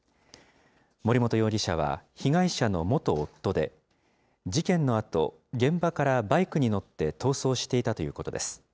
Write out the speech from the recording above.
森本容疑者は被害者の元夫で、事件のあと、現場からバイクに乗って逃走していたということです。